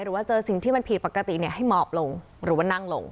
หรือว่าเจอสิ่งที่มันผิดปกติให้หมอบลงหรือว่านั่งลง